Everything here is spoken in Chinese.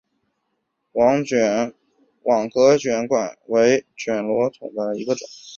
网格卷管螺为卷管螺科粗切嘴螺属下的一个种。